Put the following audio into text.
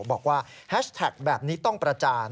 บอกว่าแฮชแท็กแบบนี้ต้องประจาน